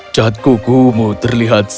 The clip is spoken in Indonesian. cat kukumu terlihat sedikit